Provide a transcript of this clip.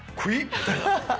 みたいな。